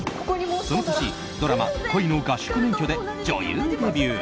その年、ドラマ「恋の合宿免許っ！」で女優デビュー。